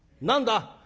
何だ？」。